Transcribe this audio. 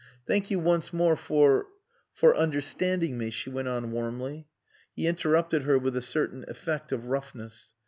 "Thank you once more for for understanding me," she went on warmly. He interrupted her with a certain effect of roughness.